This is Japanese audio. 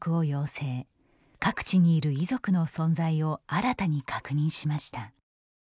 各地にいる遺族の存在を新たに確認しました。